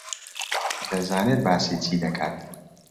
دەزانێت باسی چی دەکات.